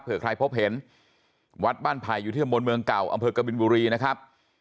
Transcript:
เพื่อใครพบเห็นวัดบ้านไผ่อยู่ที่ตำบลเมืองเก่าอำเภอกบินบุรีนะครับ